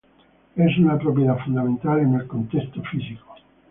Es una propiedad fundamental en el contexto físico.